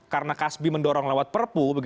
karena kasbi mendorong lewat perpu